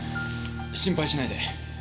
心配しないで。